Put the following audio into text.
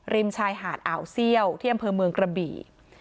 ริมชายหาดอ่าวเซี่ยวที่อำเภอเมืองกระบี่